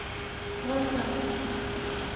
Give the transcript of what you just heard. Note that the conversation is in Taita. Wauza nguw'o